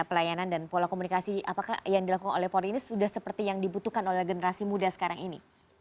pelayanan dan pola komunikasi apakah yang dilakukan oleh polri ini sudah seperti yang dibutuhkan oleh generasi muda sekarang ini